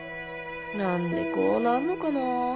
何でこうなんのかなぁ？